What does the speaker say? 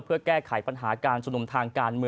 เพื่อแก้ไขปัญหาการชุมนุมทางการเมือง